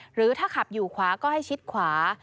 หรือถ้าขับอยู่ขวาก็ให้ชิดขวา